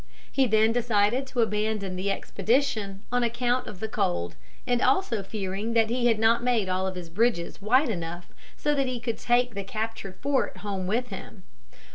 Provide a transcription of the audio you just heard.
He then decided to abandon the expedition, on account of the cold, and also fearing that he had not made all of his bridges wide enough so that he could take the captured fort home with him.